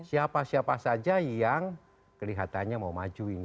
siapa siapa saja yang kelihatannya mau maju ini